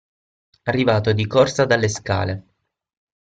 Arrivato di corsa dalle scale.